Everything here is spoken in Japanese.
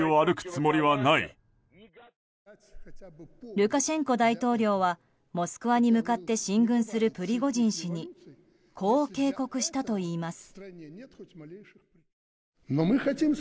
ルカシェンコ大統領はモスクワに向かって進軍するプリゴジン氏にこう警告したといいます。